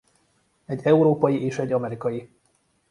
Egy európai és egy amerikai.